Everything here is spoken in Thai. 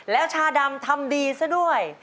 แล้วชาดำทำดีซะด้วย